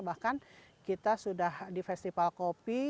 bahkan kita sudah di festival kopi